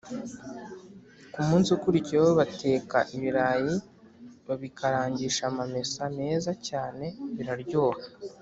Ku munsi ukurikiyeho bateka ibirayi babikarangisha amamesa meza cyane biraryoha